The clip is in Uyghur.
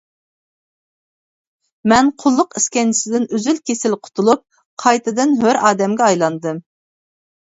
مەن قۇللۇق ئىسكەنجىسىدىن ئۈزۈل-كېسىل قۇتۇلۇپ، قايتىدىن ھۆر ئادەمگە ئايلاندىم.